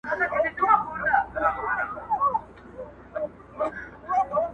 • نو شاعري څه كوي.